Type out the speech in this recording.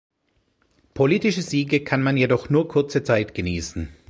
Politische Siege kann man jedoch nur kurze Zeit genießen.